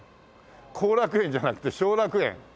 後楽園じゃなくて小楽園。